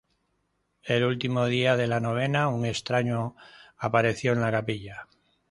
El último día de la novena un extraño apareció en la Capilla.